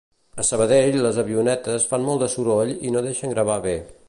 A Sabadell les avionetes fan molt de soroll i no deixen gravar bé